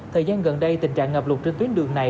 thời gian gần đây tình trạng ngập lụt trên tuyến đường này